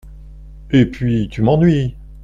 Et puis, tu m’ennuies !